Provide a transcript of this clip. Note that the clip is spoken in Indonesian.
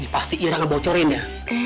pasti ira ngebocorin ya